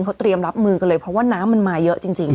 เขาเตรียมรับมือกันเลยเพราะว่าน้ำมันมาเยอะจริง